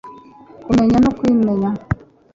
kumenya no kwimenya